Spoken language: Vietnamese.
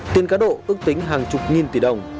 tiền cá độ ước tính hàng chục nghìn